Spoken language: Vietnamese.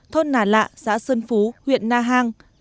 thôn nà lạ xã sơn phú huyện na hàng